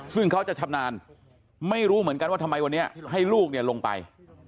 ซึ่งเขาจะชำนาญไม่รู้เหมือนกันว่าทำไมวันนี้ให้ลูกเนี่ยลงไป